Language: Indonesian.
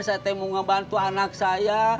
saya mau ngebantu anak saya